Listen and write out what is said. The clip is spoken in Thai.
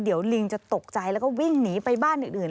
เดี๋ยวลิงจะตกใจแล้วก็วิ่งหนีไปบ้านอื่น